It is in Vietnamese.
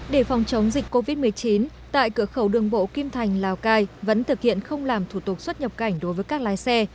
để phòng chống dịch covid một mươi chín tại cửa khẩu đường bộ kim thành lào cai vẫn thực hiện không làm thủ tục xuất nhập cảnh đối với các lái xe